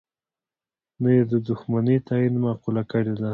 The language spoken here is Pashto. نه یې د دوښمنی تعین معقوله کړې ده.